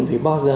thì bao giờ